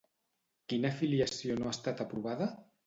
Quina filiació no ha estat aprovada?